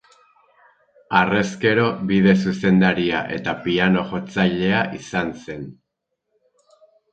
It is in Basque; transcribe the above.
Harrezkero bide-zuzendaria eta piano jotzailea izan zen.